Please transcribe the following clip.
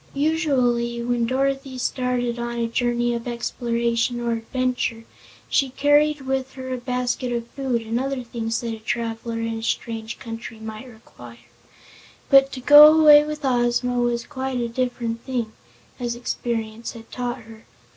Usually when Dorothy started on a journey of exploration or adventure, she carried with her a basket of food, and other things that a traveler in a strange country might require, but to go away with Ozma was quite a different thing, as experience had taught her.